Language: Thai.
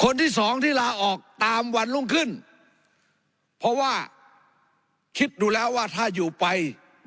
คนที่สองที่ลาออกตามวันรุ่งขึ้นเพราะว่าคิดดูแล้วว่าถ้าอยู่ไป